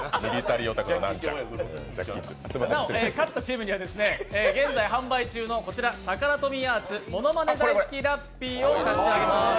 勝ったチームには現在販売中のこちら、タカラトミーアーツものまねだいすきラッピーを差し上げます。